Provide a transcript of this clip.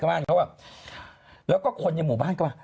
แล้วก็คนในหมู่บ้านก็ว่า